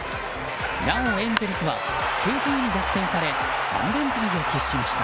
なお、エンゼルスは９回に逆転され３連敗を喫しました。